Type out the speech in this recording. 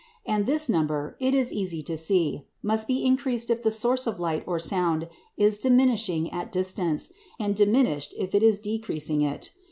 And this number, it is easy to see, must be increased if the source of light or sound is diminishing its distance, and diminished if it is decreasing it.